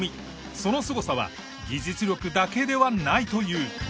そのすごさは技術力だけではないという。